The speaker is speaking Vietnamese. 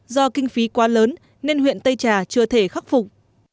do kinh phí quá lớn nên huyện tây trà chưa thể khắc phục